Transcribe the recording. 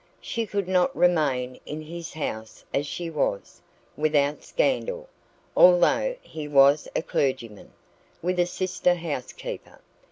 She could not remain in his house as she was, without scandal, although he was a clergyman, with a sister housekeeper.